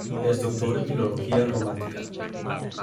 Es doctor en Filología Románica.